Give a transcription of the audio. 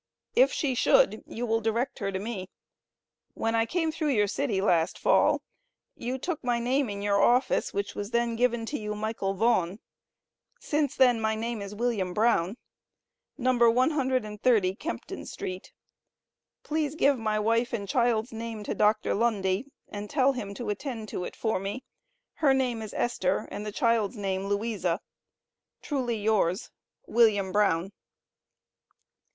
If she should, you will direct her to me. When I came through your city last Fall, you took my name in your office, which was then given you, Michael Vaughn; since then my name is William Brown, No. 130 Kempton street. Please give my wife and child's name to Dr. Lundy, and tell him to attend to it for me. Her name is Esther, and the child's name Louisa. Truly yours, WILLIAM BROWN.